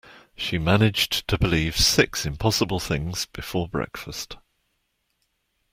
She managed to believe six impossible things before breakfast